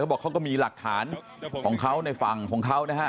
บอกเขาก็มีหลักฐานของเขาในฝั่งของเขานะฮะ